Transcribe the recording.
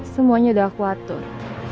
semuanya udah aku atur